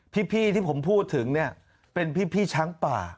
พี่ที่ผมพูดถึงเนี่ยเป็นพี่ช้างป่า